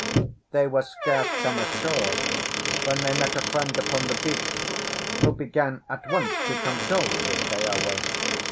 They were scarce come ashore when they met a friend upon the beach, who began at once to condole with Keawe.